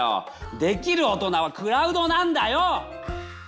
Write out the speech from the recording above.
できる大人はクラウドなんだよ！